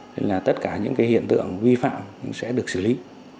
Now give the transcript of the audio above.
nên là tất cả những cái hiện tượng vi phạm cũng sẽ được xử lý